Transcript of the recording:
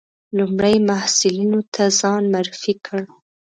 لومړي محصلینو ته ځان معرفي کړ.